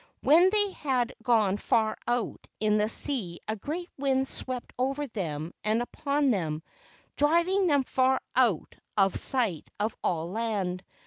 When they had gone far out in the sea a great wind swept over them and upon them, driving them far out of sight of all land.